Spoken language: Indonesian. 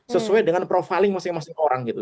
sesuai dengan profiling masing masing orang gitu